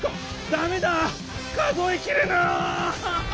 ダメだ！